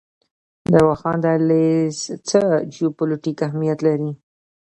د واخان دهلیز څه جیوپولیټیک اهمیت لري؟